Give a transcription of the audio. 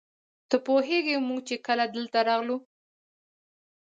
ته پوهېږې موږ چې کله دلته راغلو.